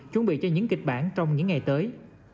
chuẩn bị cho những kịch bản trong những ngày tới